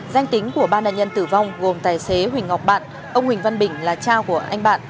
danh tính của ba nạn nhân tử vong gồm tài xế huỳnh ngọc bạn ông huỳnh văn bình là cha của anh bạn